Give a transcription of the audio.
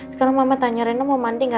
sekarang mama tanya reno mau mandi nggak